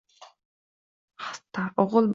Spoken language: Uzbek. O‘g‘il bola.